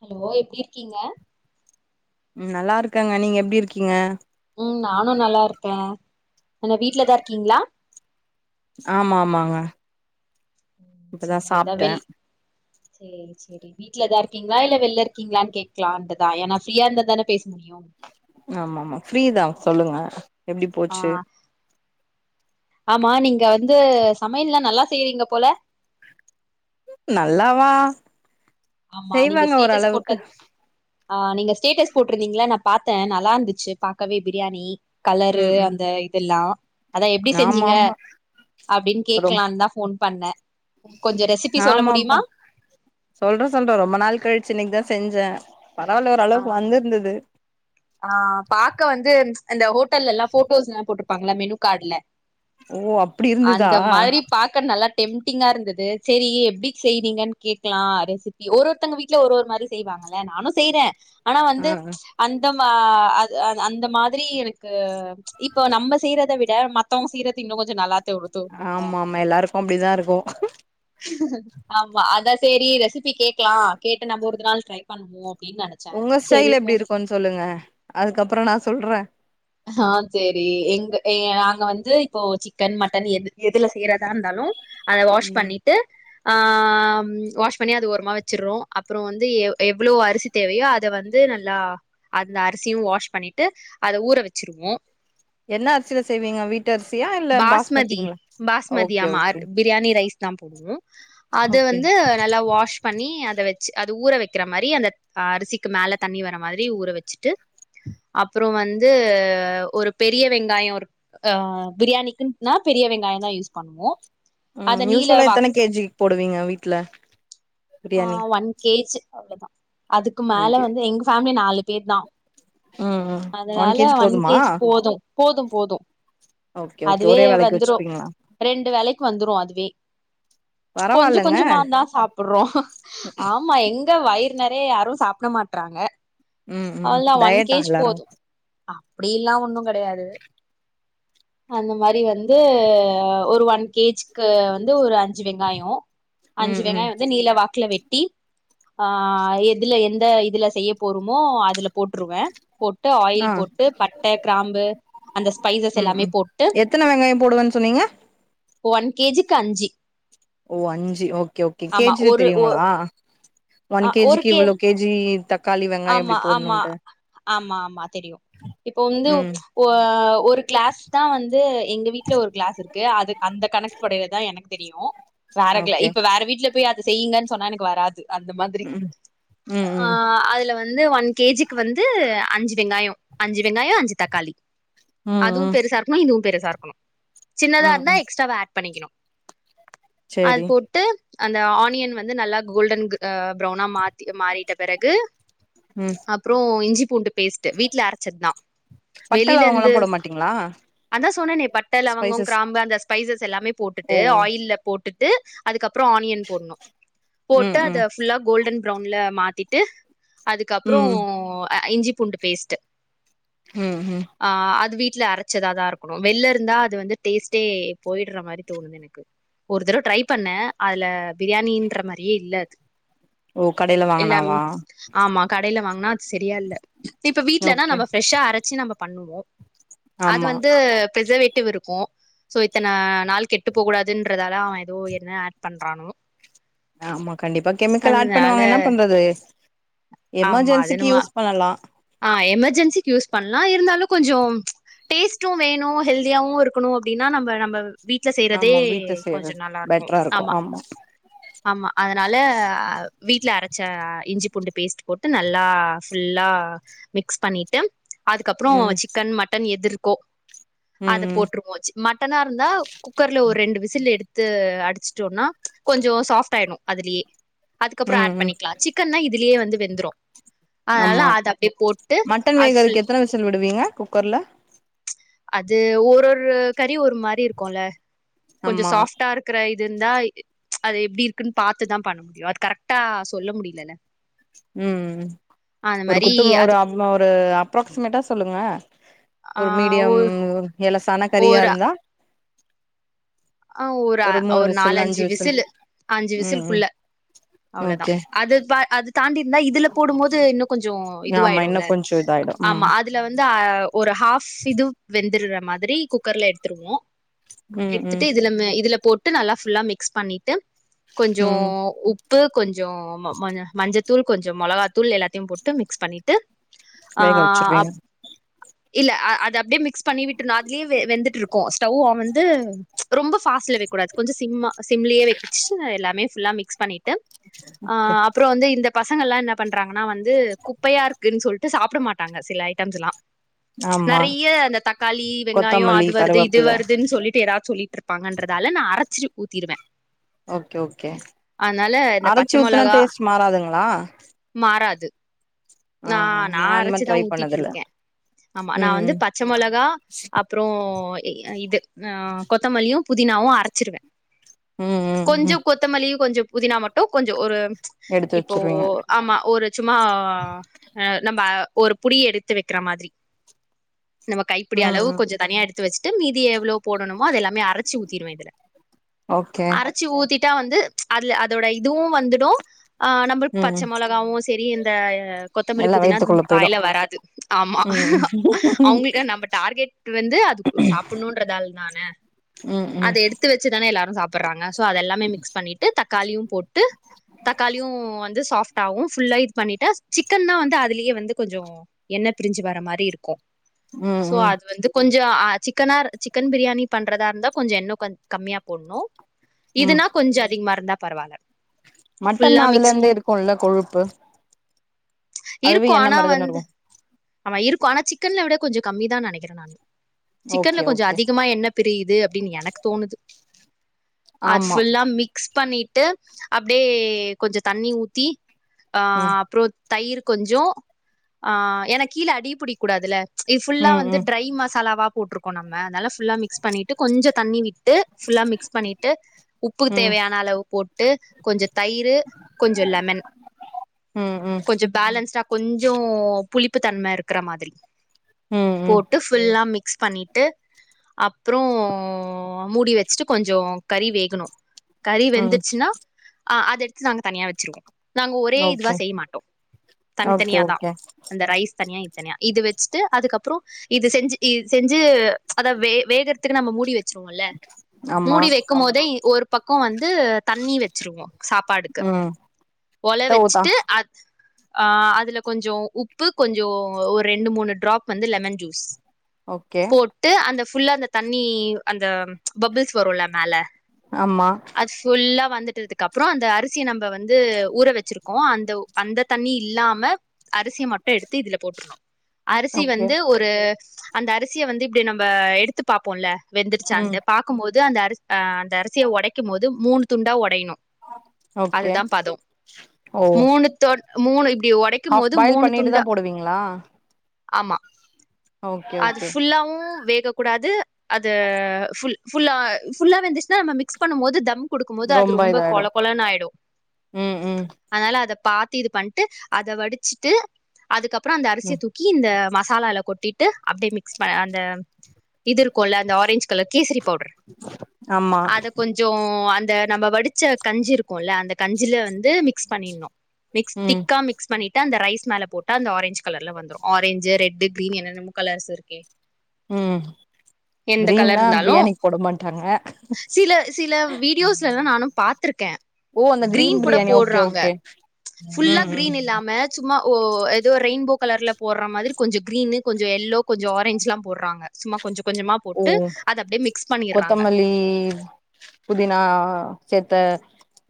Hello எப்டிர்க்கீங்க உம் நல்லாருக்கங்க நீங்க எப்டிர்க்கீங்க உம் நானு நல்லாருக்கே என்ன வீட்லதா இர்க்கீங்ளா ஆமா ஆமாங்க. ம் இப்பதா செரி அதா சாப்ட்ட வெள் சேரி சேரி வீட்லதாருக்கீங்களா இல்ல வெளிய இருக்கீங்களான்னு கேக்கலான்ட்டு தா ஏன்னா ஃப்ரீயாயிருந்தாதானே பேஸ் ஆமா ஆமா ஃப்ரீதா சொல்லுங்க. எப்டி போச்சு. ஆ ஆமா நீங்க வந்து சமயல்லா நல்லா செய்றீங்க போல நல்லாவா. செய்வாங்க ஓரளவுக்கு. ஆஹ் நீங்க ஸ்டேட்டஸ் போட்ருந்தீங்களா நா பாத்தே நல்லாருந்துச்சு பாக்கவே பிரியாணி கலரு ம் ம் அந்த இதுெல்லா அதா எப்டி ஆமா செஞ்சீங்க ஆமா அப்டின்னு ரொம் கேக்கலான்னு தா ஃபோன் பண்ணன் கொஞ்சோ ரெசிபி சொல்ல முடியுமா சொல்றோ ரொம்ப நாள் கழிச்சு இன்னைக்கி தா செஞ்சே பரவாயில்ல ஓ ஆ அளவுக்கு வந்திருந்தது ஆ பாக்க வந்து அந்த ஹோட்டல்ல எல்லா ஃபோட்டோஸ் எல்லா போட்டிருப்பாங்கள மெனு கார்டுல ஓ அப்டி இருந்துதா அந்த மாரி பாக்க நல்லா டெம்டிங்கா இருந்துது சேரி எப்டி செய்றீங்கன் கேக்லா ரெசிப்பி ஒரு ஒருத்தங்க வீட்ல ஒரு ஒரு மாரி செய்வாங்கல்ல நானு செய்றே - ஆனா ஆ வந்து ம்ச் அந் த மா அது அந் அந்த மாதிரி எனக்கு ம்ச் இப்போ நம்ம செய்யறத வி ட மத்தவங்க செய்றது இன்னு கொஞ்ச நல்லா தோ தோணும்ல ஆமா ஆமா எல்லாருக்கு அப்டிதா இருக்கு ஆமா அதா சேரி ரெசிப்பி கேக்லா கேட்டு நம்ப ஒருத நாள் ட்ரை பண்ணுவோ அப்டின்னு நெனச்சே உங்க செரி ஸ்டைல ஃபோன் எப்டி இருக்குன் சொல்லுங்க அதுக்கப்புற நா சொல்றே ஆ சேரி எங்க எ நாங்க வந்து இப்போ சிக்கன் மட்டன் எது எதுல செய்யறதா இருந்தாலு அத வாஷ் ம் பண்ணிட்டு ஆ வாஷ் பண்ணி அது ஓரமா வச்சிறோ அப்புறோ வந்து எ எவ்ளோ அரிசி தேவையோ அத வந் து நல்லா அந்த அரிசியு வாஷ் பண்ணிட்டு அத ஊற வச் வச்சிருவோ என்ன அரிசில செய்வீங்க வீட்டு அரிசியா இல்ல பாஸ்மதி பாஸ்மதிங்களா பாஸ்மதி ஓகே ஆமா ஓகே பிரியாணி ரைஸ் தா போடுவோ அத ஓகே வந்து நல்லா வாஷ் பண்ணி அத வச் அ து ஊற வெக்கிற மாரி அந்த அரிசிக்கு மேல தண்ணி வர மாதிரி ஊற வச்சிட்டு அப்புறோ வந்து ஆ ஒரு பெரிய வெங்காயோ ஒரு ஆ பிரியாணிக்குன்னா பெரிய வெங்காய தா யூஸ் பண்ணுவோ அத ம் நீல யூஸ்வலா வா எத்தன கேஜி போடுவீங்க வீட்ல பிரியாணி அவ்ளோ தா அதுக்கு ஒன் மேல கே வந்து எங்க ஃபேமிலி நாலு கேட்னா ம் ம் ஒன் கேஜி போதுமா கேஜ் போது போது போது ஓகே ஓகே அதுவே ஒரே வேலைக்கு வந்துரு வச்சுப்பீங்களா ரெண்டு வேலைக் வந்துரு அதுவே கொஞ்சோ பரவால்லங்க கொஞ்சமா தா சாப்புறோ ஆமா எங் து வயிறு நெறைய யாரு சாப்பிட மாட்டறாங்க ம் ம் டயட்டா எல்லாரு அப்டியல்லா ஒண்ணு கெடையாது அந்த மாரி வந்து ஒரு ஒன் கேஜிக்கு வந்து ஒரு அஞ்சு வெங்காயோ அஞ்சு ம் ம் வெங்காய வந்து நீல வாக்குல வெட்டி ஆஹ் எதுல எந்த இதுல செய்ய போறமோ மோ அதுல போட்டுருவ போட்டு ஆ ஆயில் போட்டு பட்ட கிராம்பு அந்த ஸ்பைசஸ் ம் எல்லாமே ம் போட்டு எத்தன வெங்காயோ போடுவேன்னு சொன்னீங்க ஒன் கேஜிக்கு அஞ்சு ஓ அஞ்சு ஓகே ஓகே ஆமா கேஜில ஒரு தெரியுங்கள ஒன் ஒரு கேஜிக்கு கே இவ்ளோ கேஜி தக்காளி வெங் ஆமா ஆமா ஆமா ஆமா தெரியும் இப்ப வந்து ம் ஒரு கிளாஸ் தா வந்து எங்க வீட்ல ஒரு கிளாஸ் இருக்கு அது அந்த கணக்கு படைல தா எனக்கு தெரியு வேறக்கி ஓகே இப்ப வேற வீட்ல போய் அத செய்யிங்கன்னு சொன்ன வராது அந்த மாதிரி ம் ம் ம் ஆஹ் அதுல வந் ந்து ஒன் கேஜிக்கு வந்து அஞ்சு வெங்காய அஞ்சு வெங்காய அஞ்சு தக்காளி ம் அதுவு ம் பெருசா இருக்கனு இதுவு பெருசா இருக்கணு சின்னதா ம் இருந்தா ம் எக்ஸ்ட்ராவா ஆட் பண்ணிகணு அது சேரி போட்டு அந்த ஆனியன் வந்து நல்லா கோல்டன் ஆஹ் ப்ரவுனா மாத்தி மாறிட்ட பிறகு ம் அப்புறோ இஞ்சி பூண்டு பேஸ்டு வீட்ல அரச் செதா பட்ட வெளில லவங்கல்லா இருந்து போட மாட்டீங்களா அதா சொன்னனே பட்ட லவங்கே ஸ்பைசஸ் கிராம்பு அந்த் ஸ்பைசஸ் எல்லாமே ஓ போட்டுட்டு ஆயில்ல போட்டுட் டு அதுக்கப் அப்புறம் ஆனியன் போட்னு ம் போட்டு அத ம் ஃபுல்லா கோல்டன் ப்ரவுண்ல மாத்திட்டு அதுக்கப்புறோ ம் ஆஹ் இஞ்சி பூண்டு பேஸ்ட்டு ம் ம் அஹ் அது வீட் வீட்ல அரச்சதாதா இருக்கணு வெள்ல இருந்தா அது வந்து டேஸ்ட்டே போய்ட்ற மாரி தோணுது எனக்கு ஒரு தடவ ட்ரை பண்ண அதுல பிரியாணின்ற மாரியே இல்ல அது ஓ கடயில வாங்குனாவா கடயில வாங்குனா அது செரியா இல்ல இப்ப வீட்லனா ஓகே நம்ம ஃப்ரெஸ்சா அரச்சு நம்ம பண்ணுவோம் அது ஆமா வந்து பிசர்வேட்டிவ் டு இருக்கும் சோ இத்தன நாள் கெட்டு போக கூடாதுன்றதால அவன் ஏதோ என்ன அட் பண்றானோ ஆமா கண்டிப்பா கெமிக்கல் ஆட் அதனால பண்ணுவாங்க என்ன பண்றது எமெர்ஜென்சிக்கு யூஸ் பண்ணலாம் ஆஹ் எமர்ஜென்சிக்கு யூஸ் பண்லாம் இருந்தாலும் கொஞ்சோம் டேஸ்ட்டும் வேணும் ஹெல்தியாவும் இருக்கணும் அப்படின்னா நம்ம நம்ம வீட்ல செய்யறதே ஆமா வீட்ல கொஞ்சம் செய்றது நல்லா இருக்கும் பெட்ரா இருக்கு ஆமா ஆமா அதனால அஹ் வீட்ல அரைச்ச அஹ் இஞ்சி பூண்டு பேஸ்ட் போட்டு நல்லா ஃபுல்லா மிக்ஸ் பண்ணிட்டும் அதுக்கப்புறம் ம் சிக்கன் மட்டன் எதுர் கோ அத ம் போட்டுரு மோஜி மட்டனா இருந்தா குக்கர்ல ஒரு ரெண்டு விசில் எடுத்து அடிச்சுட்டோம்னா கொஞ்சம் சாஃப்ட் ஆயிடும் அதுலே அதுக்கப்பறம் ம் ஆட் ம் பண்ணிக்கலாம் சிக்கன்னா இதுலயே வந்து வெந்த்றோம் அலனால ஆமா அதப் மட்டன் வேகருக்கு எத்தன விசில் விடுவீங்க குக்கர்ல அது ஒரு ஒரு க ஒரு மாரி இருக்கும்ல கொஞ்சோ ஆமா சாஃப்டா இருக்கற இது இருந்தா அது எப்பிடி இருக்குன்னு பாத்துதா பண்ண முடியு அது கரெக்ட்டா சொல்ல முடியலல்ல உம் அந்த ஒரு மாரி குப் து அது ஒரு அறுநூரு அப்ராக்சிமேட்டா சொல்லுங்க ஆ ஒரு மீடியம் ஒரு எல தல கறியா இருந்தா ஆஹ் ஒரு அ மூணு ஒரு விசில் அஞ்சு நாலஞ்சு விசில் விசிலு அஞ்சு ம் ம் விசிலுக்குள்ள அவ்வளவுதா ஓகே அது பா அது தாண்டிருந்தா இதுல போடும் போது இன்னு கொஞ்ச ஆமா இன்னு இதுவாயிடுல்ல கொஞ்சோ இதாயிடு ஆமா ம் அதுல வந்து ஒரு ஹாஃப் இது வெந்துடுற மாதிரி குக்கர்ல எடுத்துருவோ உம் ட்டு இதுல இதுல போட் டு நல்லா ஃபுல்லா மிக்ஸ் பண்ணிட்டு கொஞ்ச ம் உப் ப்பு கொஞ் ஜ மஞ்ச மஞ்சத் தூள் கொஞ்ஜோ மொளகா தூள் எல்லாத்தையு போட்டு மிக்ஸ் பண்ணிட்டு ஆ வேக வச்சுருவேக இல்ல அ அது அப்படியே மிக்ஸ் பண்ணி விட்டுணு அதுலயே வே வெந்துட்ருக்கு ஸ்டவ் வந்து ரொம்ப பாஸ்ட்ல வைக்க கூடாது கொஞ்ச சிம்ம சிம்மலே வச்சு எல்லாமேபுல்லா மிக்ஸ் பண்ணி ஓகே அஹ் அப்பற வந்து இந்த பசங்கள் எல்லா என்ன பண்றாங்கன்னா வந்து குப்பையா இருக்குன்னு சொல்லிட்டு சாப்ட மாட்டாங்க சில ஐட்டம்ஸ்ல்லா ஆமா நெறைய அந்த தக்காளி வெங்காயம் கொத்தமல்லி அது வருது இது கருவேப்பில வருதுன்னு சொல்லிட்டு யாரா சொல்லிட் ன்றதால நா அரைச்சிட்டு ஊத்திருவே ஓகே ஓகே அதனால இந்த பச்ச அரைச்சி ஊத்தனா மொளகா டேஸ்ட் மாறாதுங்களா மாறாது ஆ நா நா அந்த மாரி அரைச்சிதா ட்ரை பண்ணதில்ல ஊத்திட்ருக்கே ஆமா நா ம் வந்து பச்ச மொளகா அப்புற இது ஆஹ் கொத்தமல்லயு புதினாவு அரைச்சிருவே ம் ம் கொஞ்ஜ ம் கொத்தமல்லியு கொஞ்ஜோ புதினா மட்டு கொஞ்ஜோ ஒரு எடுத்து இப்போ வச்சிருவீங்க ஆமா ஒருட்சமா அஹ் நம்ம ஒரு புடி எடுத்து வைக்கிற மாதிரி நம்ம கைப்பிடி ம் அளவு ம் கொஞ்ச தனியா வச்சுட்டு மீதி எவ்வளோ போணமோ அதெல்லாமேஅச்ச ஊத்திருவே இதுல ஓகே லைட்டா வந்து அதுல அதோட இதுவு வந்துடும் ஆஹ் நம்ள்க் பச்ச ம் மொளகாவுஸ் சரி இந்தா கொத்தமல்லி எல்லா புதினா வயித்துக்குள்ள போயிடு வாயில வராது ஆமா ம் ம் ம் அவங்கள்க்கு நம்ம டாரெட் வந்து அது சாப்பிடணும்ன்றதாலதான ம் அத எடுத்து வச்சுதானே எல்லார அ சாப்புடறாங்க சோ அதெல்லாமே மிக்ஸ் பண்ணிட்டு தக் காலியு போட் ட்டு தக்காளியு வந்து சாஸ் தாவு ஃபுல்லா இது பண்ணிட்டா சிக்கன்னா வந்து அதுலேயே வந்து கொஞ்சொ எண்ண பிரிஞ்சு வர மாரி இருக்கு ம் சோ ம் அது வந்து கொஞ் ஆ சிக்கனா சிக்கன் பிரியாணி பண்றதா இருந்தா கொஞ்சோ எண்ணெ க கம்மியா போட்ணு ம் இதுனா கொஞ்ச அதிகமா இருந்தா பரவால்ல ஃபுல்லா மட்டன்னா அதுல மிக்ஸ் இருந்தே இருக்கு இல்ல கொழுப் பு அதுவே இருக்கு எண்ண ஆனா மாரிதான வந்து ஆமா இருக்கு ஆனா சிக்கன்ல விட கொஞ்சோ கம்மிதானு நெனக்கிறே நானு சிக்கன்ல ஓகே கொஞ்சோ ஓகே அதிகமா எண்ண பிரியுது அப்டின்னு எனக்கு தோணுது அது ஆமா ஃபுல்லா மிக்ஸ் பண்ணிட்டு அப்டே கொஞ்ச தண்ணி ஊத்தி அ ம் அப்றோத் தயிர் கொஞ்சோ ஆ எனக் கீழ அடி புடிக்கூடாதுல இது ஃபுல்லா ம் வந்து ம் ட்ரை மசாலாவா போட்டுருக் கோ நம்ம நல்லா ஃபுல்லா மிக்ஸ் பண்ணிட்டு கொஞ்ச தண்ணி விட்டு ஃபுல்லா மிக்ஸ் பண்ணிட்டு உப்புக்கு ம் ம் தேவையான அளவு போட்டு கொஞ்ச தயிரு கொஞ்ச லெமன் ம் கொஞ்சோ பேலன்ஸ்டா கொஞ்சோ ப்பு தன்ம இருக்கற மாதிரி ம் ம் போட்டு ஃபுல்லா மிக் மிக்ஸ் பண்ணிட்டு அப்றோ மூடி வச்சுட்டு கொஞ்சோ கறி வேகணு கறி ம் வெந்துருச்சுன்னா ஆ அத எடுத்து நாங்க தனியா வச்சிருவோ நாங்க ஒரே இதுவா ஓகே செய்ய மாட்டோ ஓகே தனித்தனியாதா ஓகே ரைஸ் தனிய இது தனியா இது வச்சுட்டு அதுக்கப்புறோ இது செஞ்சி செஞ்சி அத வே வேகறத்துக்கு நம்ம மூடி வச் வச்சிருவோ இல்ல ஆமா மூடி வெக்கு போதே ஒரு பக்கோ வந்து தண்ணி வச்சிருவோ சாப்பாடுக்கு ம் ஒல த்த ஊத்தா வச்சிட்டு அ ஆ அதுல கொஞ்சோ உப் பு கொஞ்சோ ஒரு ரெண்டு மூணு ட்ராப் வந்து லெமன் ஜூஸ் ஓகே போட்டு அந்த ஃபுல்ல அந்த தண்ணி அந்த பபுள்ஸ் வருல மேல ஆமா அது ஃபுல்லா வந்துட்டதுக்கு அப்புறோ அந்த அரிசிய நம் நம்ப வந்து ஊற வச்சிருக் கோ அந்த அந்த தண்ணி இல்லாம அரிசி மட் எடுத்து இதுல போட்டுருணு அரிசி ஓகே வந்து ஒரு அந்த அரிசிய வந்து இப்டி நம்ப எடுத்து பாப்போ இல்ல ம் வெந்திராச்சாண்ட்டு பாக்குமோது இது அந்த அரி அ அந்த அரிசிய ஒடைக்கு மோது மூணு துண்டா ஒடையணு ஓகே அதுதா பதோ ஓ மூணு தொ மூணுக் ஒடைக்கு போது மூணு கேட்டு தா துண்டா போடுவீங்களா ஆமா ஓகே அது ஓகே ஃபுல்லாவு வேகக்கூடாது அது ஃபுல் ஃபுல்லா ஃபுல்லா வெந்துருச்ன்னா நம்ம மிக்ஸ் பண்ணு போது தம் குடுக்குபோது அது ரொம்ப கொல கொலன்னு ஆயிடு ம் ம் அதனால அத பாத்து இது பண்ட்டு அத வடிச்சிட்டு அதுக்கப்புறோ அந்த அரிசிய ம் தூக்கி இந்த ம மசாலல கொட்டிட்டு அப்படியே மிக்ஸ் ப அந்த இது இர்க்குல்ல அந்த ஆரஞ்ச் கலர் கேசரி பவுடர் ஆமா அத கொஞ்சோ அந் அத நம்ம வடிச்ச கஞ்சி இருக்குல்ல அந்த கஞ்சில வந்து மிக்ஸ் பண்ணினணு மிக்ஸ் ம் திக்கா மிக்ஸ் பண்ணி அந்த ரைஸ் மேல போட்டா அந்த ஆரஞ்சு கலர்ல வந்துரு ஆரஞ்சு ரெட்டு கிரீன் என்னென்னமோ கலர்ஸ் இருக்கே ம் எந்த கலர் கிரீன்லா இருந்தாலூ பிரியாணிக்கு போட மாட்டாங்க சில சில வீடியோஸ்ல எல்லா நானும் பாத்திருக்க ஓ அந்த கிரீன் கூட பிரியாணி ஓகே போடுறாங்க ஓகே ஃபுல்லா ம் ம் கிரீன் இல்லாம சும்மா ஓ எதோ ரெயின்போ கலர்ல போடற மாரி கொஞ்சோ கிரீன்னு கொஞ்சோ எல்லோ கொஞ்சோ ஆரஞ்ச் எல்லா போடறாங்க சும்மா கொஞ்சோ ஓ ஓ கொத்தமல்லி புதினா சேத்த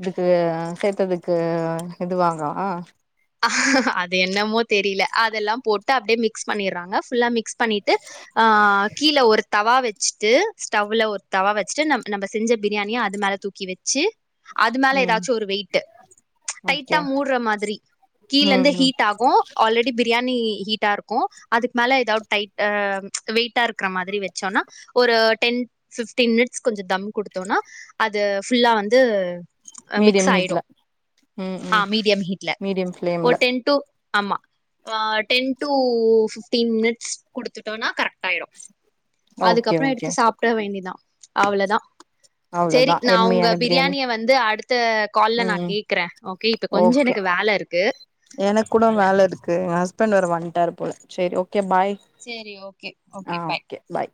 இதுக்கு சேத்ததுக்கு இது வாங்கவா அது என்னமோ தெரியல அதெல்லாம் போட்டு அப்டியே மிக்ஸ் பண்ணிர்றாங்க ஃபுல்லா மிக்ஸ் பண்ணிட்டு ஆ கீழ ஒரு தவா வெச்சுட்டு ஸ்டவ்ல ஒரு தவா வெச்சுட்டு நம் நம்ம செஞ்ச பிரியாணியா அது மேல தூக்கி வெச்சு அது மேல ம் எதாச்சு ஒரு வெயிட் ப்ச் ஓகே டைட்டா மூடுற மாதிரி ம் கீழந்து ம் ஹீட் ஆகூ ஆல்ரெடி பிரியாணி ஹீ ஹீட்டா இருக்கு அதுக் மேல எதாவ் டைட்டா ப்ச் வெயிட்டா இருக்ற மாதிரி வெச்சோன்னா ஒரு டென் ஃபிஃப்ட்டீன் மினிட்ஸ் கொஞ்சோ தம் குடுத்தோன்னா அது ஃபுல்லா வந்து மிக்ஸ் மீடியம் ஆயிடு ஹீட்ல ம் ம் மீடியம் ஓ ஃப்ளேம்ல டென் டு ஆமா ஆ டென் டூ ஃபிப்டீன் மினிட்ஸ் குடுத்துட்டோன்னா கரெக்ட் ஆயிரு ஓகே அதுக்கப்றோ ஓகே எடுத்து சாப்பிட வேண்டிதா அவ்ளதா அவ்ளோதா சேரி நா உங்க எம்மியான பிரியாணி பிரியாணிய வந்து அடுத்த கால்ல நா ம் கேக்கற ஓகே இப்ப கொஞ்சோ எனக்கு வேல இருக்கு எனக் கூட வேல இருக்கு எ ஹஸ்பண்ட் வேற வ வண்டார்போல சேர் ஓகே கே பாய் சேரி ஓகே ஆஹ பாய் ஓகே பாய்